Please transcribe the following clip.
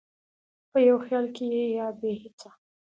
په یو خیال کې یا بې هېڅه،